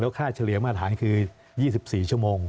ค่าเฉลี่ยมาตรฐานคือ๒๔ชั่วโมง